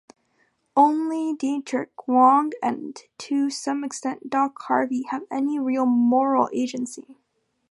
Only Dietrich, Wong, and to some extent "Doc" Harvey, have any "real moral agency.